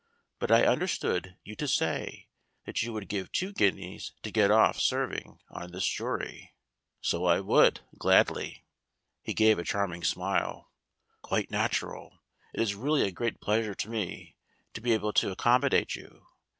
But I understood you to say that you would give two guineas to get off serving on this jury." "So I would gladly." He gave a charming smile. "Quite natural. It is really a great pleasure to me to be able to accommodate you.